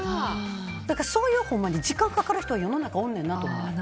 だから、そういう時間かかる人は世の中におんねんなって。